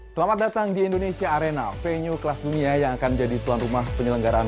selamat datang di indonesia arena venue kelas dunia yang akan jadi tuan rumah penyelenggaraan